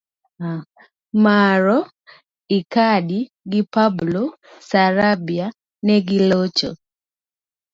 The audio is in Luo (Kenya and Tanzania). Muaro Icardi gi Pablo Sarabia negilocho